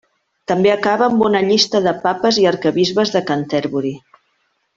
També acaba amb una llista de Papes i arquebisbes de Canterbury.